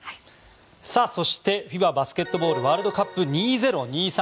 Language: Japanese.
さあ、そしてＦＩＢＡバスケットボールワールドカップ２０２３。